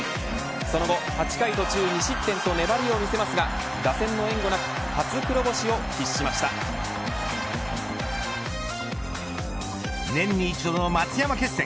その後、８回途中２失点と粘りを見せますが打線の援護なく年に一度の松山決戦。